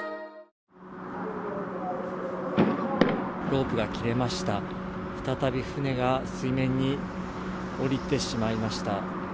ロープが切れました、再び船が水面におりてしまいました。